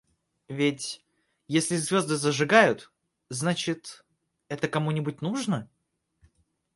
Ведь, если звезды зажигают — значит – это кому-нибудь нужно?